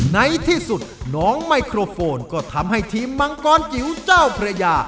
ในที่สุดน้องไมโครโฟนก็ทำให้ทีมมังกรจิ๋วเจ้าพระยา